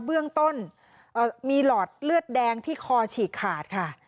เบื้องต้นมีหลอดเลือดแดงที่คอฉีกขาดค่ะ